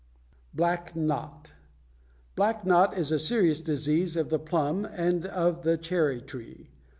=Black Knot.= Black knot is a serious disease of the plum and of the cherry tree.